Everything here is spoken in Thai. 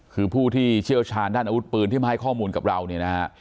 คือผู้ที่เชี่ยวชาญด้านอาวุธปืนที่มาให้ข้อมูลกับเราเนี่ยนะฮะ